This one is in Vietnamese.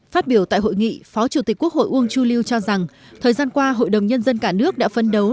phát biểu tại hội nghị phó chủ tịch quốc hội uông chu lưu cho rằng thời gian qua hội đồng nhân dân cả nước đã phân đấu